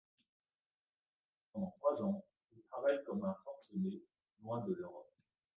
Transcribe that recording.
Pendant trois ans, il travaille comme un forcené, loin de l’Europe.